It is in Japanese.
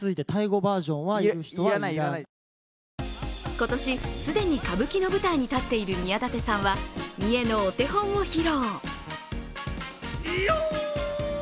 今年、既に歌舞伎の舞台に立っている宮舘さんは見得のお手本を披露。